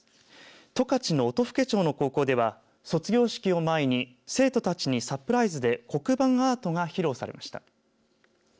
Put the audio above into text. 十勝の音更町の高校では卒業式を前に生徒たちにサプライズで黒板アートが披露されました。